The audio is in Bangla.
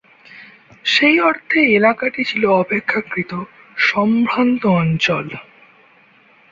সেই অর্থে এলাকাটি ছিল অপেক্ষাকৃত সম্ভ্রান্ত অঞ্চল।